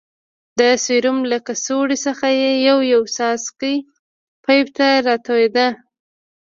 د سيروم له کڅوړې څخه يو يو څاڅکى پيپ ته راتېرېده.